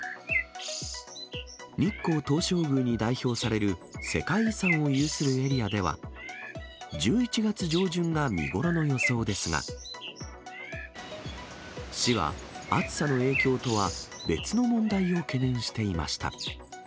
日光東照宮に代表される世界遺産を有するエリアでは、１１月上旬が見頃の予想ですが、市は、暑さの影響とは別の問題を懸念していました。